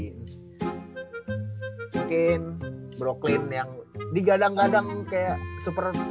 mungkin brooklyn yang digadang gadang kayak super top